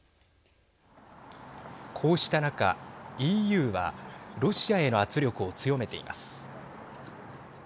こうした中、ＥＵはロシアへの圧力を強めています。